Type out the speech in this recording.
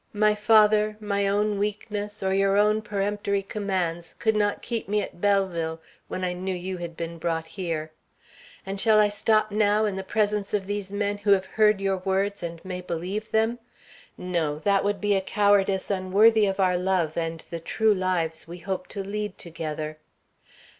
My father, my own weakness, or your own peremptory commands could not keep me at Belleville when I knew you had been brought here. And shall I stop now, in the presence of these men who have heard your words and may believe them? No, that would be a cowardice unworthy of our love and the true lives we hope to lead together.